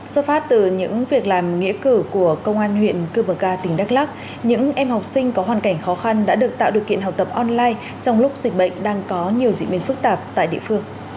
xuất phát từ những việc làm nghĩa cử của công an huyện cư bờ ga tỉnh đắk lắc những em học sinh có hoàn cảnh khó khăn đã được tạo điều kiện học tập online trong lúc dịch bệnh đang có nhiều diễn biến phức tạp tại địa phương